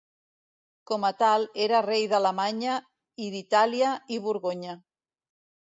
Com a tal, era Rei d'Alemanya, i d'Itàlia i Borgonya.